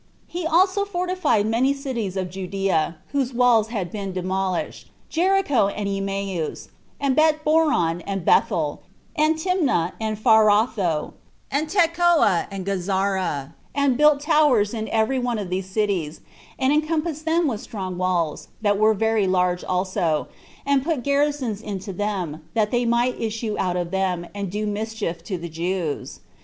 He also fortified many cities of Judea, whose walls had been demolished; Jericho, and Emmaus, and Betboron, and Bethel, and Tinma, and Pharatho, and Tecoa, and Gazara, and built towers in every one of these cities, and encompassed them with strong walls, that were very large also, and put garrisons into them, that they might issue out of them, and do mischief to the Jews.